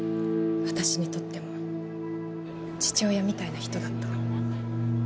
私にとっても父親みたいな人だった。